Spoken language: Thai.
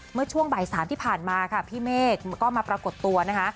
เมื่อช่วงบ่าย๓ที่ผ่านมาค่ะพี่เมฆก็มาปรากฏตัวนะคะ